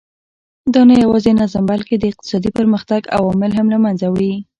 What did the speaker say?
دا نه یوازې نظم بلکې د اقتصادي پرمختګ عوامل هم له منځه وړي.